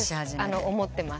思ってます。